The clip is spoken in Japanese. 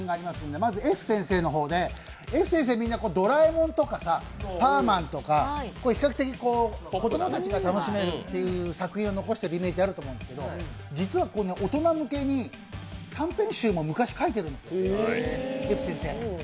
まずＦ先生のほうですが、Ｆ先生はみんな「ドラえもん」とか「パーマン」とか比較的子供たちが楽しめる作品を残しているイメージがあるんですけど、実はこの大人向けに、短編集も昔、描いてるんですよＦ先生。